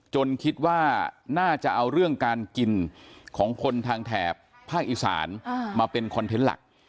คิดว่าน่าจะเอาเรื่องการกินของคนทางแถบภาคอีสานมาเป็นคอนเทนต์หลัก